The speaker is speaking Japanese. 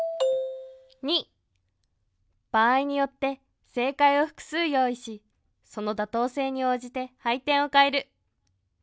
場合によって正解を複数用意しその妥当性に応じて配点を変える。